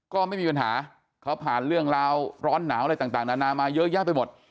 ก็ไม่มีปัญหาเขาผ่านเรื่องราวร้อนหนาวอะไรต่างนานามาเยอะแยะไปหมด